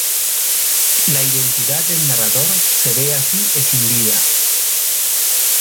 La identidad del narrador se ve así escindida.